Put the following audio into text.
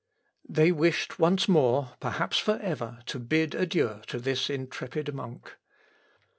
They wished once more, perhaps for ever, to bid adieu to this intrepid monk.